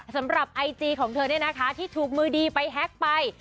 ไอจีของเธอเนี่ยนะคะที่ถูกมือดีไปแฮ็กไป